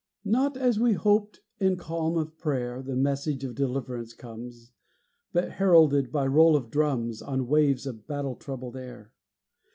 Not as we hoped, in calm of prayer, The message of deliverance comes, But heralded by roll of drums On waves of battle troubled air!